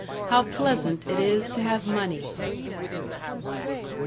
How pleasant it is to have money.